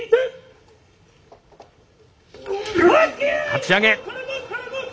かち上げ。